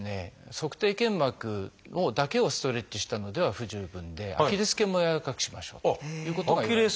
足底腱膜だけをストレッチしたのでは不十分でアキレス腱もやわらかくしましょうということがいわれています。